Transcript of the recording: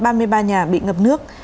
ba trăm ba mươi ba nhà bị ngập nước